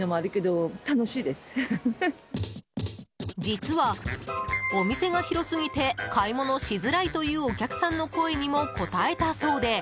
実は、お店が広すぎて買い物しづらいというお客さんの声にも応えたそうで。